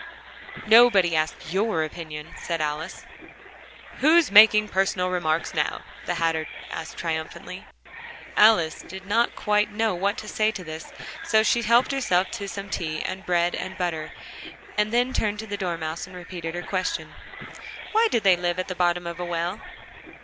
"Nobody asked your opinion," said Alice. "Who's making personal remarks now?" the Hatter asked triumphantly. Alice did not quite know what to say to this: so she helped herself to some tea and bread and butter, and then turned to the Dormouse, and repeated her question. "Why did they live at the bottom of a well?"